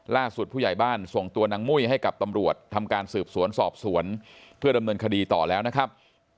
ผู้ใหญ่บ้านส่งตัวนางมุ้ยให้กับตำรวจทำการสืบสวนสอบสวนเพื่อดำเนินคดีต่อแล้วนะครับ